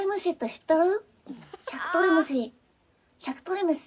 知ってる？